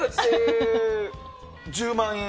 １０万円。